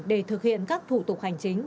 để thực hiện các thủ tục hành chính